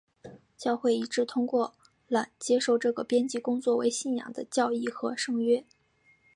教会一致通过了接受这个编辑工作为信仰的教义和圣约。